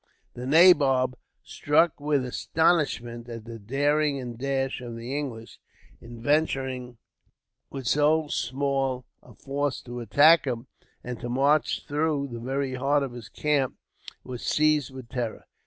The nabob, struck with astonishment at the daring and dash of the English, in venturing with so small a force to attack him, and to march through the very heart of his camp, was seized with terror.